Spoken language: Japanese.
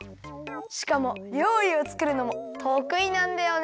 しかもりょうりをつくるのもとくいなんだよね。